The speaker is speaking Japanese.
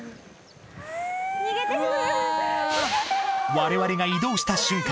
我々が移動した瞬間